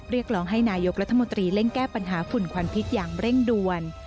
เรียกร้องให้นายกรัฐมนตรีเร่งแก้ปัญหาฝุ่นควันพิษอย่างเร่งด่วน